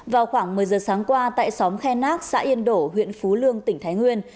vào khoảng một mươi giờ sáng qua tại xóm khe nác xã yên đổ huyện phú lương tỉnh thái nguyên